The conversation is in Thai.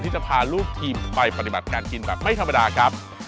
จะพาลูกทีมไปปฏิบัติการกินแบบไม่ธรรมดาครับ